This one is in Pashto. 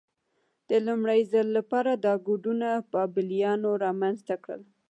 د لومړي ځل لپاره دا کوډونه بابلیانو رامنځته کړل.